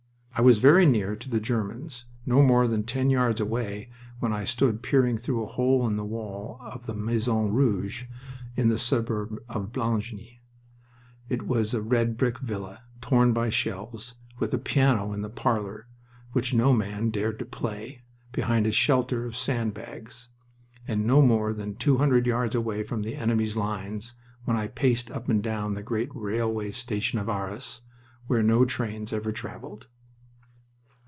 I was very near to the Germans. No more than ten yards away, when I stood peering through a hole in the wall of the Maison Rouge in the suburb of Blangy it was a red brick villa, torn by shells, with a piano in the parlor which no man dared to play, behind a shelter of sand bags and no more than two hundred yards away from the enemy's lines when I paced up and down the great railway station of Arras, where no trains ever traveled.